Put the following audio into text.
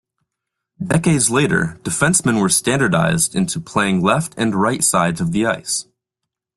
Decades later, defencemen were standardized into playing left and right sides of the ice.